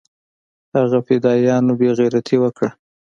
هغه فدايانو بې غيرتي اوکړه.